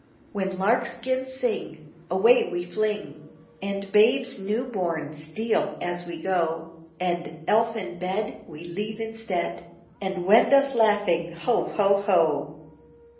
When larks 'gin sing, Away we fling, And babes new born steal as we go, And Elf in bed we leave instead, And wend us laughing, ho! ho! ho!